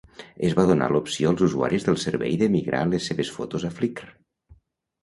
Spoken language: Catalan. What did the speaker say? Es va donar l'opció als usuaris del servei de migrar les seves fotos a Flickr.